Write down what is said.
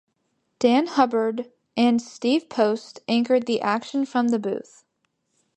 Dan Hubbard and Steve Post anchored the action from the booth.